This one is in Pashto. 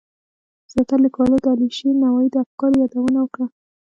زیاترو لیکوالو د علیشیر نوایی د افکارو یادونه کړه.